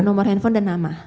nomor handphone dan nama